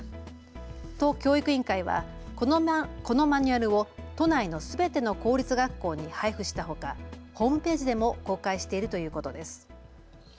都教育委員会はこのマニュアルを都内のすべての公立学校に配布したほかホームページでも公開しているということです。